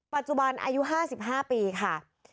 ปัจจุบันอายุ๕๕ปีค่ะ